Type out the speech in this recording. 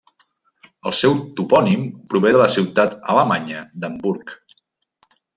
El seu topònim prové de la ciutat alemanya d'Hamburg.